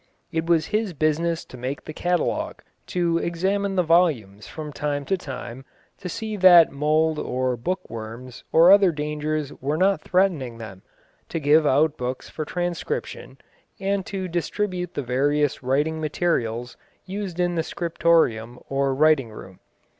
It was his business to make the catalogue, to examine the volumes from time to time to see that mould or book worms or other dangers were not threatening them, to give out books for transcription, and to distribute the various writing materials used in the scriptorium or writing room.